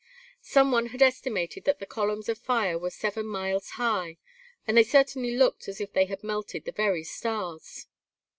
Some one had estimated that the columns of fire were seven miles high, and they certainly looked as if they had melted the very stars.